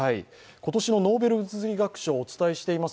今年のノーベル物理学賞お伝えしております